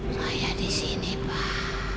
saya di sini pak